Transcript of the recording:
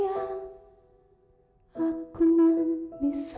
bapak udah selesai